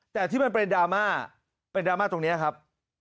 แต่ที่มันเป็นดราม่าเป็นดราม่าตรงนี้ครับ